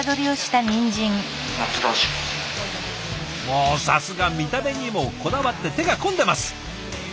もうさすが見た目にもこだわって手が込んでます！